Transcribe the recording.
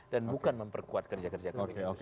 dan bukan memperkuat kerja kerja kpk